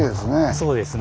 そうですね。